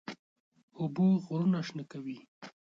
اوبه غرونه شنه کوي.